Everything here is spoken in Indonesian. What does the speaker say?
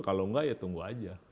kalau enggak ya tunggu aja